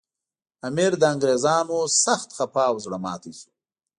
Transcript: امیر له انګریزانو سخت خپه او زړه ماتي شو.